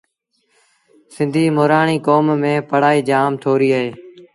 سنڌيٚ مورآڻيٚ ڪوم ميݩ پڙهآئيٚ جآم ٿوريٚ اهي